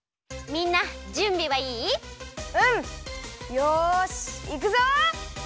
よしいくぞ！